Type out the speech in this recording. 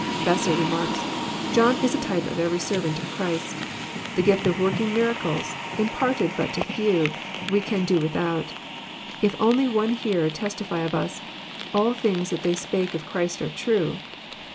Besser remarks :<* John is a type of every servant of Christ. The gift of working miracles, imparted but to few, we can do without, if only one hearer testify of us, * All things that they spake of Christ are true.'